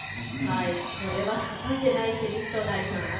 これは欠かせないせりふとなります。